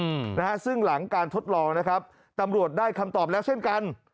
อืมนะฮะซึ่งหลังการทดลองนะครับตำรวจได้คำตอบแล้วเช่นกัน